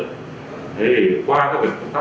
thế thì qua các biện pháp